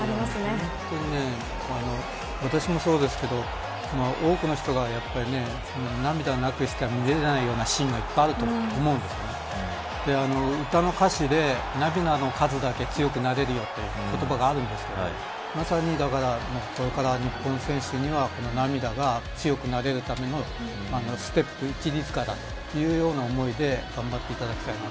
本当に私もそうですけど多くの人が涙なくしては、見れないようなシーンがいっぱいあると思うんで歌の歌詞で涙の数だけ強くなれるよという言葉がありますがまさに、これから日本選手には涙が強くなれるためのステップですからという思いで頑張っていただきたい。